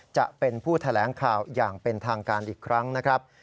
จะเป็นผู้แถลงข่าวอย่างเป็นทางการอีกครั้งนะครับ